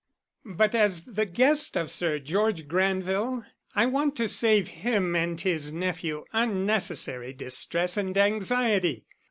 But as the guest of Sir George Granville, I want to save him and his nephew unnecessary distress and anxiety.